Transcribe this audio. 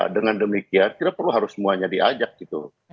dengan demikian kita perlu harus semuanya diajak gitu